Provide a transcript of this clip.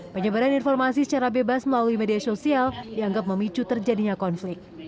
penyebaran informasi secara bebas melalui media sosial dianggap memicu terjadinya konflik